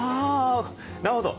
なるほど。